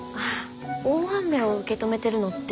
大雨を受け止めてるのって